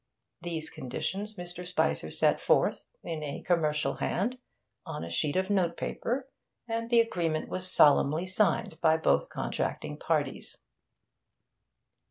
These conditions Mr. Spicer set forth, in a commercial hand, on a sheet of notepaper, and the agreement was solemnly signed by both contracting parties.